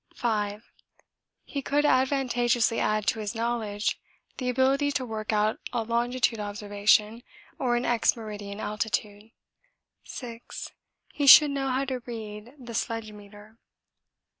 5. He could advantageously add to his knowledge the ability to work out a longitude observation or an ex meridian altitude. 6. He should know how to read the sledgemeter.